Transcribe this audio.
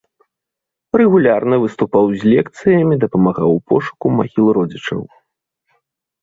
Рэгулярна выступаў з лекцыямі, дапамагаў у пошуку магіл родзічаў.